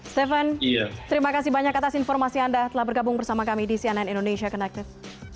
stephen terima kasih banyak atas informasi anda telah bergabung bersama kami di cnn indonesia connected